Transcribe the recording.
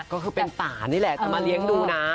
ก็คือเป็นป่านี่แหละจะมาเลี้ยงดูนะ